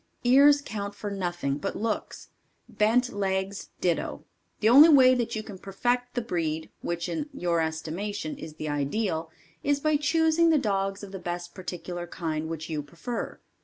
Ears count for nothing but looks; bent legs, ditto; the only way that you can perfect the breed, which in your estimation, is the ideal, is by choosing the dogs of the best particular kind which you prefer.